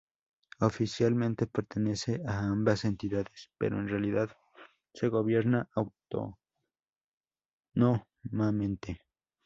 Oficialmente pertenece a ambas entidades, pero en realidad se gobierna autónomamente.